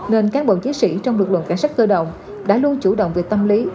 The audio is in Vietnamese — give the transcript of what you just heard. nên cán bộ chiến sĩ trong lực lượng cảnh sát cơ động đã luôn chủ động về tâm lý